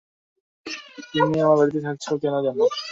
তুমি আমার বাড়িতে থাকছো, কেন জানো।